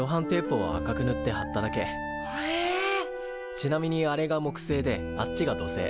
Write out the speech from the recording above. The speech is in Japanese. ちなみにあれが木星であっちが土星。